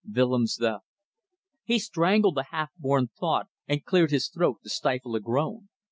Willems the. ... He strangled the half born thought, and cleared his throat to stifle a groan.